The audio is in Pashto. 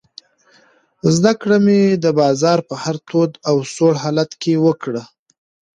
زده کړه مې د بازار په هر تود او سوړ حالت کې وکړه.